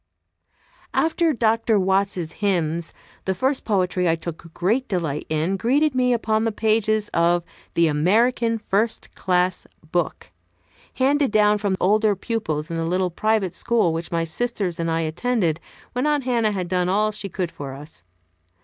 After Dr. Watts's hymns the first poetry I took great delight in greeted me upon the pages of the "American First Class Book," handed down from older pupils in the little private school which my sisters and I attended when Aunt Hannah had done all she could for us.